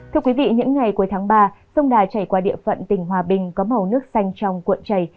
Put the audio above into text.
thưa quý vị những ngày cuối tháng ba sông đà chảy qua địa phận tỉnh hòa bình có màu nước xanh trong cuộn chảy